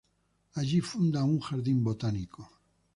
Allí funda un jardín botánico.